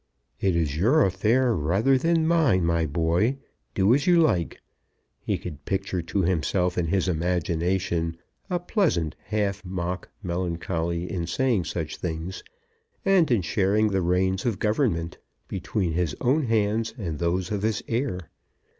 "It is your affair rather than mine, my boy; do as you like." He could picture to himself in his imagination a pleasant, half mock melancholy in saying such things, and in sharing the reins of government between his own hands and those of his heir.